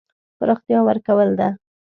پراختیا ورکول ده.